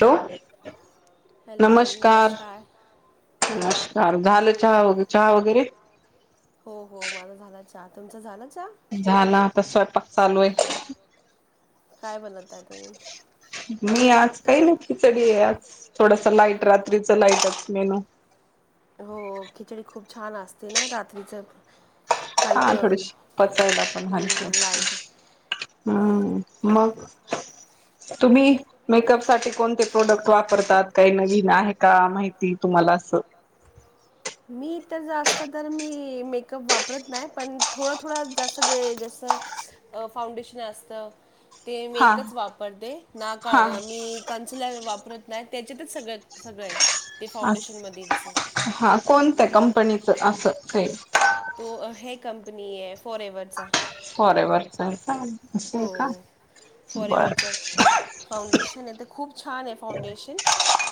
तो हॅलो नम नमस्कार, झालं चहा वगर चहा वगैरे? हो हो माझ झाला चहा, तुमचा झाला चहा? झालं आता स्वयंपाक चालू आहे. काय बनवताय तुम्ही? मी आज काही नाही खिचडी आहे आज, थोडासा लाईट रात्रीचा लाईटच मेनू हो खिचडी खूप छान असते ना रात्रीच हा थोडीशी पचायला पण हलकी हम्म, असते. लाईट हम् मग तुम्ही मेकअप साठी कोणते प्रोडक्ट वापरतात काही नवीन आहे का माहिती तुम्हाला अस मी तर जास्त तर मी मेकअप वापरत नाही, पण थोडं थोडं जास्त जे जसं फाउंडेशन असतं ते मी हा एकच वापरते ना का हा मी कन्सलर वापरत नाही. त्याच्यातच सगळ सगळं आहे. ते अस फाउंडेशन मधेच हा कोणत्या कंपनीचं असं काही? तो हे कंपनी आहे फोरेवरचा फोरे वरचा आहे का असं हो आहे का बर फॉरेवरचा फाउंडेशन आहे तर खूप छान आहे फाउंडेशन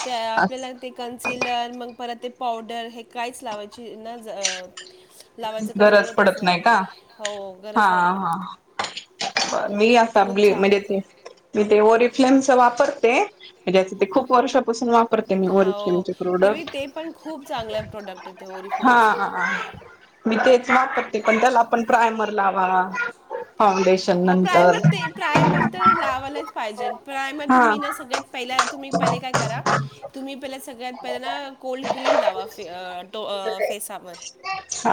ते अस आपल्याला ते कन्सिलर मग परत ते पावडर हे काहीच लावायचे अं लावायचं काय गरज जरूरतच पडत नाही का नाहीये हो हा गरज नाही हा पडत बर. मी अस खूप छान म्हणजे आहे ते मी ते वर फ्लेम च वापरते. ते खूप वर्षापासून वापरते मी हो ओरिफ्लेमचे ते प्रोडक्ट ते पण खूप चांगल्या प्रोडक्ट येत हा ओरिफिच. मी तेच वापरते. पण त्याला आपण प्रायमर लावा फाउंडेशन हो नंतर प्रायमर ते प्रायमर तर लावायलाच पाहिजे. प्रायमर हा तुम्ही ना सगळ्यात पहिला तुम्ही पहिल काय करा. तुम्ही पहिल सगळ्यात पहिल ना कोल्ड क्रीम लावा फेसावर.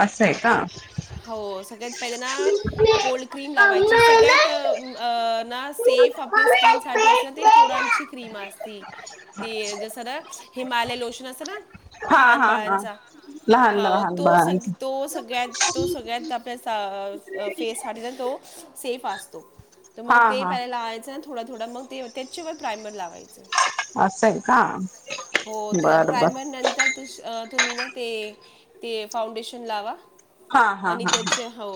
असं आहे का हो सगळ्या पहिल्यांदा कोल्ड क्रीम लावायची. जी सगळ्यात ना सेफ आपले स्किनसाठी असत. ते पोरांची क्रीम असती. ते जस ना हिमालय लोशन असत ना. हा लहान हा हा बाळांचा. लहान हा लहान तो बाळांच सग तो सगळ्यात तो सगळ्यात आपल्या फेस [inaudible] सेफ असतो. तर मग हा ते हा पहिला लावायंच. थोडा थोडा मगं ते त्याच्यावर प्राइमर लावायंच. असं आहे का तॊ बर बर प्रायमर नंतर तुम्ही ना ते ते फाउंडेशन लावा. हा हा आणि हा हा त्याचे हो.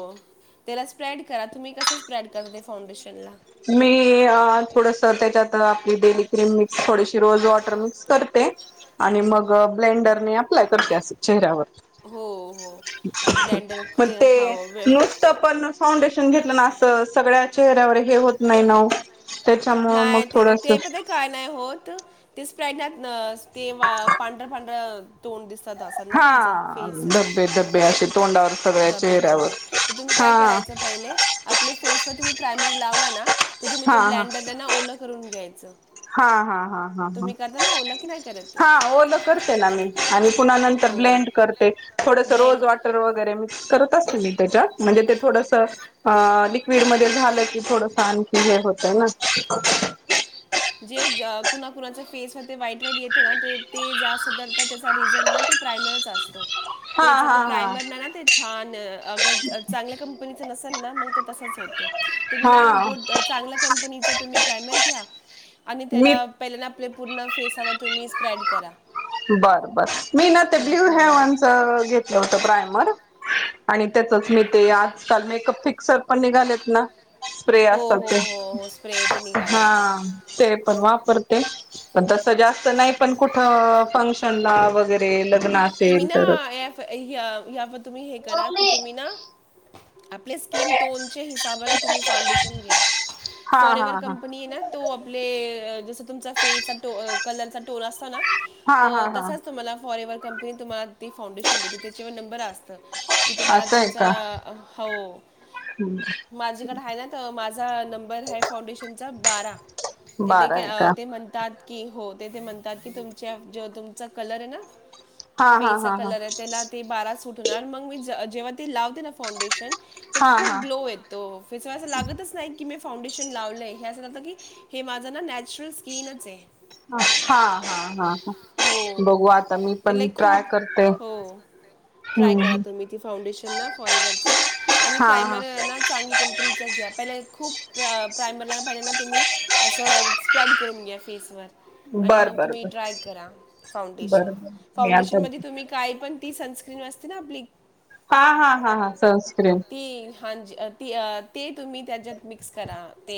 त्याला स्प्रेड करा तुम्ही कसं स्प्रेड करते फाउंडेशन ला? मी थोडस त्याच्यात आपली डेली क्रीम मिक्स थोडीशी रोज वॉटर मिक्स करते. आणि मग ब्लेंडरने अप्लाय करते अस चेहऱ्यावर. हो हो ब्लेंडर मग ते हो वे- नुसत पण फाउंडेशन घेतलंत. तर सगळ्या चेहऱ्यांवर हे होत. नाही नावो. नाही ते ते पण काय नाही होत. तेच [unintelligible] पांढर पांढरं तोंड दिसत. हा धब्बे धब्बे असे तोंडावर सगळ्या चेहऱ्यावर हा [unintelligible] [inaudible] ना तर तुम्ही ते हा हा ब्लँडर ओला करून घ्यायचं. हा हा हा हा हा. तुम्ही करता ना ओलं की नाही करत हा ओलं करते ना मी आणि पुन्हा नंतर हो ब्लेंड करते थोडस ब्लेंड रोज वॉटर वगैरे मिक्स करत असते मी. त्याच्या म्हणजे ते थोडस लिक्विड मध्ये झालं की थोडस आणखी हे होतय ना. जे कुणा कुणाच फेस ते वाईट वाईट येतं ना ते ते जा तर त्याचा रिझन ना ते प्रायमरच असत. [inaudible] [unintelligible] हा हा हा तुम्ही ना हा गुड चांगल्या कंपनीच तुम्ही प्रायमरी. [inaudible] मी करा. बर बर मी ना ते हो ब्ल्यू हेव्हनच घेतलं होत प्रायमर. आणि त्याचच मी अं, ते आजकाल मेकअप फिक्सर. पण निघालेत ना. स्प्रे हो असल ते हो हो हो स्प्रे ते हा निघाले ते ते पण वापरत. ते पण तसं जास्त नाही पण कुठ अ. फंक्शन ला वगैरे ल तुम्ही ना हयावर तुम्ही हे करा कि तुम्ही ना. आपले स्किन टोनच्या हिसाबाने तुम्ही फाउंडेशन घ्या हा फॉर हा एवर्ह हा कंपनी ना तो आपले अ जस तुमचा फेचा. कलरचा टोन असतो ना. हा हा त हा तसाच तुम्हाला फॉरेवर. ते तुम्हाला. मी फाउंडेशन देते त्याच्यावर नंबर असता की तुम्हाला असं आहे तुमचा का हो माझेकड आहे ना माझा नंबर फउशन. बारा. ते ते बारा आहे का ते म्हणतात? की हो ते ते म्हणतात. की तुमच्या ज तुमचा कलर आहे ना. हा फे हा चा हा हा कलर आहे त्याला ते बाराच सुटणार आणि मग मी जर. जेव्हा ते लवतेण फाउंडेशन. तर हा खूप हा ग्लो येतो फेस अस लागतच नाही की मी फाउंडेशन लावलंय. हे असं जं की हे माझं ना नॅचरल स्किनच आहे. हा हा हा ह हो बघू आता मी ते पण. लई ट्राय खूप करते हो ट्राय करा हम्म तुम्ही ती फाउंडेशनना फॉर एव्हवरची आणि हा हा प्रायमर ना चांगली कंपनीचा घ्याल. पहिले खूप प्रायमरला पहिल्याना तुम्ही असं स्प्रेड करून घ्या फेसवर. आणि बर मग बर तुम्ही बर ट्राय करा फाउंडेशन. बर बर मी आता फांडेशन मध्ये तुम्ही काय पण ती सनस्क्रीन असते ना आपली हा हा हा हा सनस्क्रीम. हांजी ती ते तुम्ही त्याच्यात मिक्स करा ते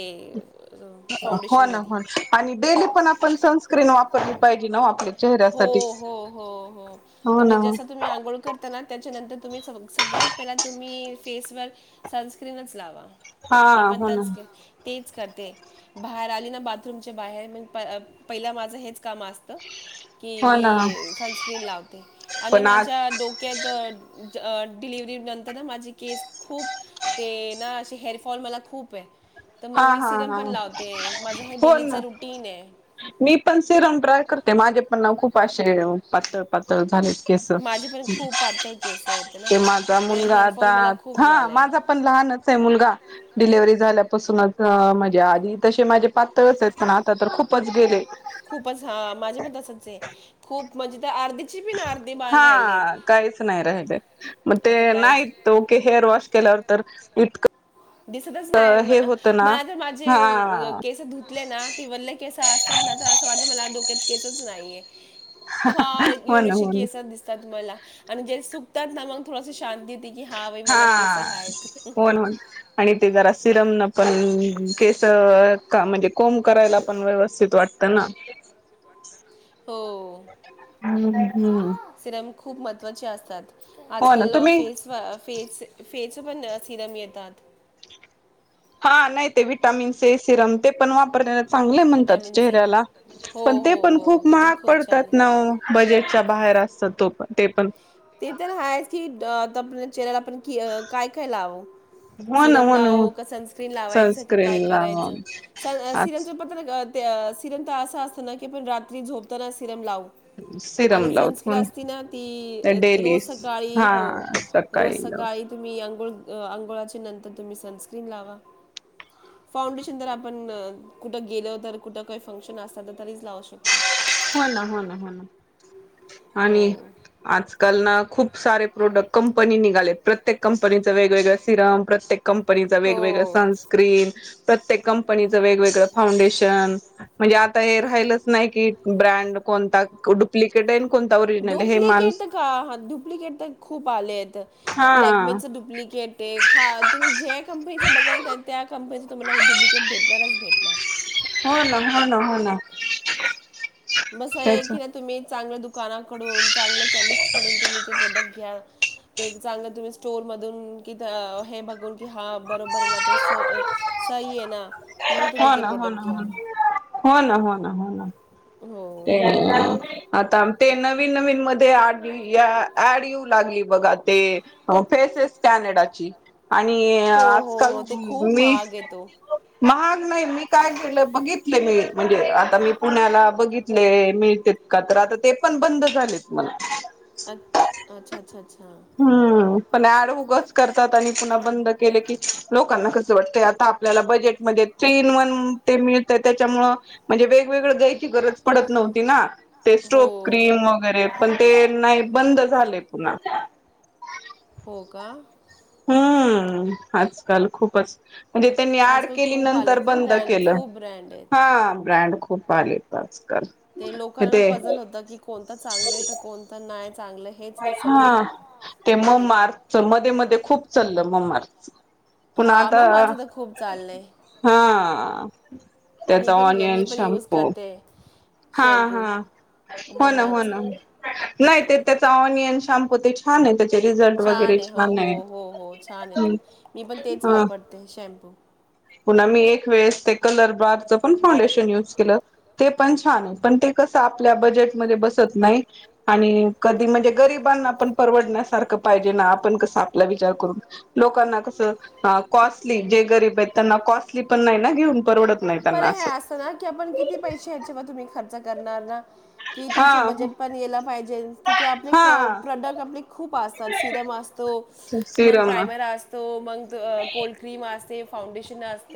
हो ना फाउंडेशनमध्ये होन आणि डेली पण आपण सनस्क्रीन वापरली. पाहिजे ना आपली हो हो हो हो हो ना तुम्ही हो जस तुम्ही आंघोळ करताना त्याच्यानंतर तुम्ही सग सगळ्यात पहिला तुम्ही फेसवर सनस्क्रीनच लावा. हा मी पण हो ना त्याच ते करते बाहेर आली ना बाथरूमच्या बाहेर म पहिला माझं हेच काम असत. कि हो ना मी सनस्क्रीन लावते आणि पण आज माझ्या डोक्यात डिलिव्हरी नंतर ना माझी केस खूप ते ना असे हेअरफॉल मला खूप आहे. तर मग हा मी हा सिरम हा पण लावते माझं हे हो डेलीचा रुटीन आहे मी पण सिरम ट्राय करते. माझे पण ना खूप खूपे पातळ पातळ झाले. केस माझे पण खूप पातळ केस आहेत ना की माझा ते मुलगा हेअरफॉल आता मला खूप हा झालंय माझा पण मुलगा आता लहान च आहे डिलिव्हरी झालं. पासूनच म्हणजे आधी तसे माझे पातळच आहेत. ना आता तर खूपच गेले. खूपच हा माझे पण तसच आहे. खूप म्हणजे तर अर्धिक हा काहीच नाही राहिले. मग ते आता कायच नाहीतक हेअर वॉश केल्यावर तर इतकं दिसतच नाही हे होतं ना मला तर हा माझे केस धुतले ना ते वल्ले केस असतात ना तर असं वाटत मला डोक्यात केसच नाहीय. फार हो ना एवढेशी हो ना केस दिसतात तुम्हाला आणि जे सुकतात ना शांती होती की हा बाई मला केस हाय. हो ना हो आणि ते जरा सिरम न पण केस म्हणजे कोंब करायला पण व्यवस्थित वाटत ना. हो हम हम्. सिरम खूप महत्वचे असतात. आजकाल तुम्ही फेस फेस फेसवर न सिरम येतात. हा नाही ते विटामिनस सिरम ते पण वापर चांगले म्हणतात विटॅमिन सी चेहऱ्याला हो पण ते हो पण हो खूप ते पण महाग खूप छान पडतात आहे ना बजेटच्या बाहेर असत तो ते पण ते तरर हास अ त चेहऱ्याला आपण क काय काय लाव हो ना सिरम हो ना हो लाव का सनस्क्रीन लावायचं सनस्क्रीन काय लाव करायचं सिरमच ते सिरम तर असा असतं ना की पण रात्री झोपताना सिरम लाव आणि सिरम लावत सनस्क्रीन हो असती ना ती रोज डेलीस सकाळी हा हो रोज सकाळी लाव सकाळी तुम्ही अंघोळ अंघोळाच्या नंतर तुम्ही सनस्क्रीन लावा फाउंडेशन जर आपण कुठ गेलो तर कुठ काही फंक्शन असत तरी लावू शकतो हो ना हो ना हो ना हो आणि आजकाल ना खूप सारे प्रोडक्ट कंपनी निघालेत प्रत्येक कंपनीचं वेगवेगळ सिरम प्रत्येक कंपनीच वेगवेगळ हो सनस्क्रीन प्रत्येक कंपनीचं वेगवेगळं फाउंडेशन म्हणजे आता हे राहिलच नाही की ब्रँड कोणता डुप्लिकेट आहे कोणता ओरिजिनल हे डुप्लिकेट माणूस का डुप्लिकेट तर खूप आले आहेत हा लॅकमेच डुप्लिकेट आहे हा तुम्ही ज्या कंपनीच बघ त्या कंपनी तर मला डुप्लिकेट भेटणारच भेटणार हो ना हो ना हो ना बस आहे त्याच की नाही तुम्ही चांगल दुकानाकडून चांगले केमिस्ट कडून तुम्ही ते प्रोडक्ट घ्या ते चांगलं तुम्ही स्टोर मधून कि हे बघून कि हा बरोबर आहे ना तो सही आहे ना मग हो तुम्ही ते ना हो ना प्रोडक्ट घ्या हो हो ना हो ना ह ना हो ते आता ते नवीन नवीन मध्ये ड ऍड येऊ लागली बघा ते फेसेस कॅनेडाची आणि हो हो आजकाल हो ते खूप मी महाग येतो महा नाही मी काय केलं बघितले मी म्हणजे आता मी पुण्याला बघितले मिळते का तर आता ते पण बंद झालेत मला अ अच्छा अच्छा अच्छा हम्म पण ड उगच करतात आणि पुन्हा बंद केले की लोकांना कस वाटत आता आपल्याला बजेटमध्ये थ्री इन वन ते मिळतं त्याच्यामुळं म्हणजे वेगवेगळं द्यायची गरज पडत नव्हती ना ते हो स्ट्रो क्रीम वगैरे पण ते नाही बंद झाले पुन्हा हो का हम्म आजकाल खूपच म्हणजे त्यांनी आड आजकाल केली खूप नंतर आलेत ना बंद ब्रँड केलं खूप ब्रँड आहेत हा ब्रँड खूप आले पा ते लोकांना पजल होत की कोणता चांगले तर कोणता नाही चांगलं हेच नाही हा समजत ते मग मार्चच मध्ये मध्ये खूप चललं म मार्च पण हां आता मग माझं तर खूप चाललं आहे हा हा मी त्याचा पण मी ऑनियन पण यूज शॅम्पू करते हा शॅम्पू हा हो ना हो ममाचं ना नाही ते त्याचा नियन शामपू ते छान आहे त्या छान आहे हो हो हो हो छान आहे तो मी पण तेच ह वापरते शॅम्पू पुन्हा मी एक वेळेस ते कलर बारच पण फाउंडेशन यूज केलं ते पण छान आहे पण ते कसं आपल्या बजेटमध्ये बसत नाही आणि कधी म्हणजे गरीबांना पण परवडण्यासारखं पाहिजे ना आपण कसं आपला विचार करून लोकांना कस कॉस्टली जे गरीब आहेत त्यांना कॉस्टली पण नाही ना घेऊन परवडत नाही पर त्यांना हे असतं ना की आपण किती असं पैसे ह्याच्यावर तुम्ही खर्च ं करणार ना कि हा तुमचे बजेट पण याला पाहिजे कि आपले हा प्रोडक्ट आपले खूप असतात सिरम असतो मग सिरम प्रायमर असत म कोल्ड क्रीम फाउंडेश अस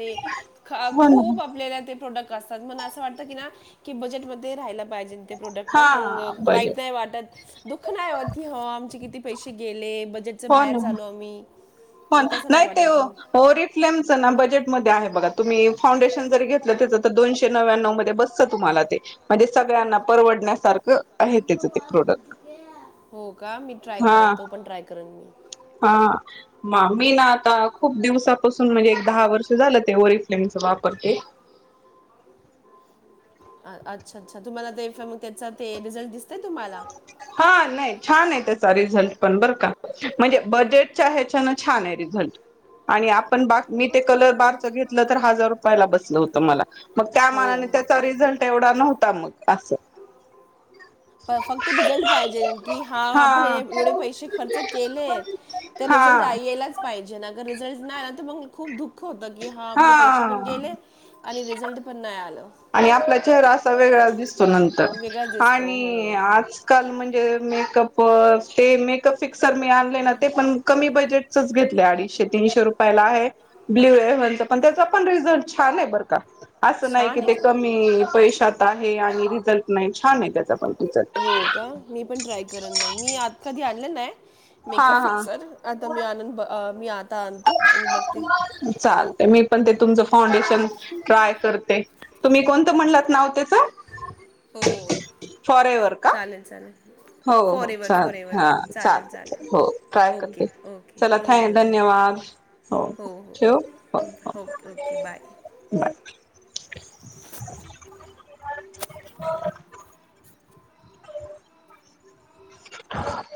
ख हो ना खूप आपल्याला ते प्रोडक्ट असतात म असं वाटतं की ना की बजेटमध्येध्ये राहिला पाहिजे ते प्रोडक्ट न हा मग वाईट बजेट नाही वाटत दुःख नाही क आमचे किती पैसे गेले बजेटचं होन बाहेर झालो आम्ही हो हे तसं नाही ते वाटत मग ओरिफ्लेम ना बजेटमध्ये आहे बघा तुम्ही फाउंडेशन जर घेतलं त्याचं तर दोनशे नव्या्णव मध्ये बसतं तुम्हाला ते म्हणजे सगळ्यांना परवडण्यासारखं आहे त्याच ते प्रोडक्ट हो का मी ट्राय करन हा तो पण ट्राय करन मी हा म मी ना आता खूप दिवसापासून म्हणजे एक दहा वर्ष झालं ते ओरीफ्लेमच वापरते अ- अच्छा अच्छा तुम्हाला ते मग त्याचा ते रिझल्ट दिसतय तुम्हाला हा नाही छान आहे त्याचा रिझल्ट पण बरं का म्हणजे बजेटच्या ह्याच्यान छान आहे रिझल्ट आणि आपण बा मी ते कलर बारच घेतलं तर हजार रुपयाला बसलं होत मला मग हो त्यामानाने त्याचा रिझल्ट एवढा नव्हता मग अस फक्त रिझल्ट पाहिजेन की हा आपण एवढे पैसे खर्च केलेत तर रिझल्ट हा यायलाच पाहिजे ना रिझल्ट नाही तर मग खूप दुःख होत की हा आपले पैसे पण हा गेले आणि रिझल्ट पण नाही आलं आणि आपला चेहरा असा वेगळा दिसतो नंतर वेगळाच दिसतो हो आजकाल म्हणजे मेकअप ते मेकअप फिक्सर मी आणले ना ते पण कमी बजेटच घेतले अडीचशे तीनशे रुपयाला आहे ब्ल्यू हेव्हनचा पण त्याचा पण रिझल्ट छान आहे बरं का अस नाही छान कि आहे ते का कमी पैश जात आहे आणि रिझल्ट नाही छान आहे त्याचा पण रिझल्ट हो का मी पण ट्राय करन मग मी आ कधी आणलं नाही हा मेकअप फिक्सर आता मी आनंद मी आ चालत मी पण ते तुमचं फाउंडेशन ट्राय करते तुम्ही कोणतं म्हणलात नाव त्याचं हो का चालेल चालेल हो फॉर हो एवर चाल फॉर एवर हा चाल चालेल हो ट्राय चालेल ओके करते ओके चला हो थ हो हो धन्यवाद हो ठेव हो ओके ओके बाय बाय हो [unintelligible]